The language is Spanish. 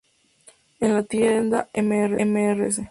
En la tienda, Mrs.